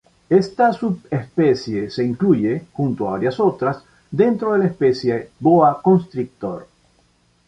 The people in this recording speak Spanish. Esta subespecie se incluye, junto a varias otras, dentro de la especie "Boa constrictor".